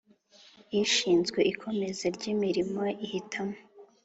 ishinzwe ikomeza ry imirimo Ihitamo